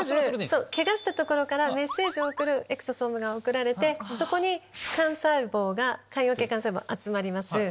ケガした所からメッセージを送るエクソソームが送られてそこに幹細胞が間葉系幹細胞集まります。